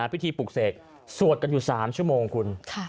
ปลูกเสกสวดกันอยู่๓ชั่วโมงคุณ